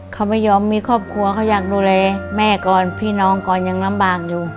เขาไม่ยอมมีครอบครัวเขาอยากดูแลแม่ก่อนพี่น้องก่อนยังลำบากอยู่